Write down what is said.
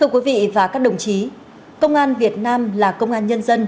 các bạn hãy đăng ký kênh để ủng hộ kênh của chúng mình nhé